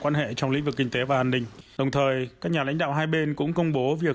quan hệ trong lĩnh vực kinh tế và an ninh đồng thời các nhà lãnh đạo hai bên cũng công bố việc